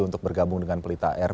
untuk bergabung dengan pelita air